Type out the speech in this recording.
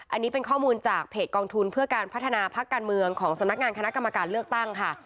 อันนี้เป็นข้อมูลจากเพจกองทุนเพื่อการพัฒนาพักการเมืองของสำนักงานคณะกรรมการเลือกตั้งค่ะ